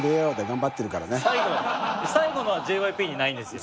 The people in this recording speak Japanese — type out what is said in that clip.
最後のはＪＹＰにないんですよ。